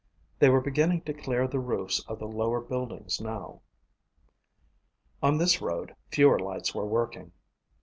They were beginning to clear the roofs of the lower buildings now. On this road fewer lights were working.